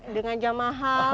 dengan jam mahal